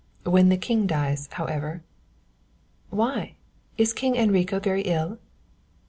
When the king dies, however " "Why, is King Enrico very ill?"